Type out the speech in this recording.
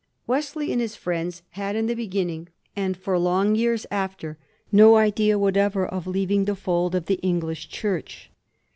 Wesley and his friends had in the beginning, and for long years after, no idea whatever of leaving the fold of the English Church.